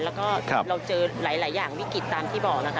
แล้วก็เราเจอหลายอย่างวิกฤตตามที่บอกนะคะ